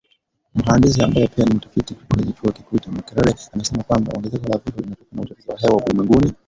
Mhandisi ambaye pia ni mtafiti kwenye chuo kikuu cha Makerere amesema kwamba, ongezeko la vifo linatokana na uchafuzi wa hewa ulimwenguni